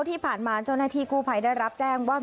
ที่ผ่านมาเจ้าหน้าที่กู้ภัยได้รับแจ้งว่า